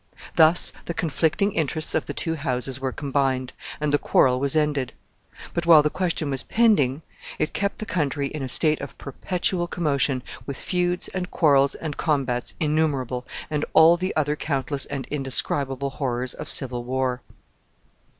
Thus the conflicting interests of the two houses were combined, and the quarrel was ended. But, while the question was pending, it kept the country in a state of perpetual commotion, with feuds, and quarrels, and combats innumerable, and all the other countless and indescribable horrors of civil war. [Illustration: SCENES OF CIVIL WAR.